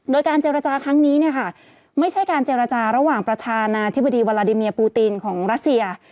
โดยการเจรจาครั้งนี้เนี่ยค่ะไม่ใช่การเจรจาระหว่างประธานาธิบดีวาลาดิเมียปูตินของรัสเซีย